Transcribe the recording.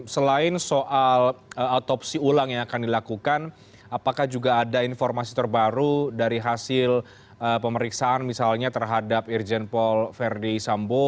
selain soal otopsi ulang yang akan dilakukan apakah juga ada informasi terbaru dari hasil pemeriksaan misalnya terhadap irjen paul verdi sambo